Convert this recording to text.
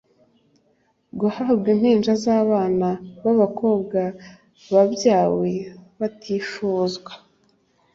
guhamba impinja z’abana b’abakobwa babyawe batifuzwa,